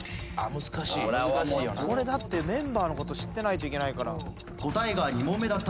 これだってメンバーのこと知ってないといけないから。